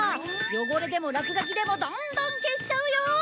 汚れでも落書きでもどんどん消しちゃうよ！